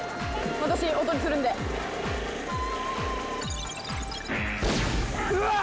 私囮するんでうわっ！